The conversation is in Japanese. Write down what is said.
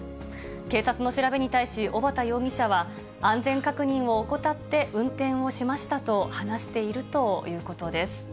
警察の調べに対し、小畠容疑者は、安全確認を怠って、運転をしましたと話しているということです。